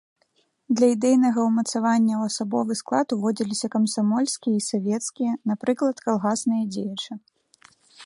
Для ідэйнага ўмацавання ў асабовы склад уводзіліся камсамольскія і савецкія, напрыклад, калгасныя дзеячы.